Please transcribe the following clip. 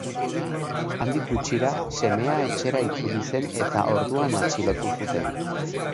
Handik gutxira, semea etxera itzuli zen eta orduan atxilotu zuten.